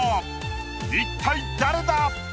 一体誰だ